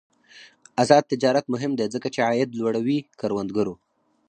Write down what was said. آزاد تجارت مهم دی ځکه چې عاید لوړوي کروندګرو.